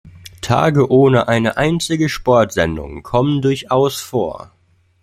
Tage ohne eine einzige Sportsendung kommen durchaus vor.